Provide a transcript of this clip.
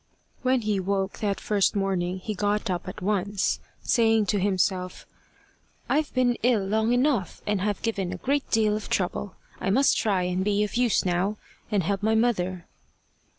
When he woke that first morning he got up at once, saying to himself, "I've been ill long enough, and have given a great deal of trouble; I must try and be of use now, and help my mother."